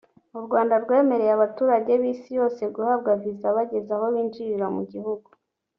U Rwanda rwemereye abaturage b’isi yose guhabwa viza bageze aho binjirira mu gihugu